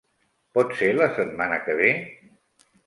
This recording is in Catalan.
Pot ser la setmana que ve?